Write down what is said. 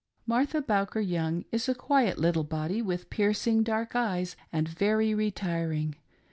] Martha Bowker Young is a quiet little body, with piercing dark eyes, and very retiring.